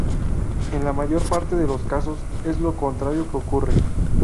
En la mayor parte de los casos, es lo contrario que ocurre.